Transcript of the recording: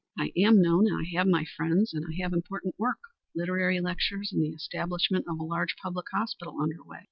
I am known, and have my friends, and there I have important work literary lectures and the establishment of a large public hospital under way.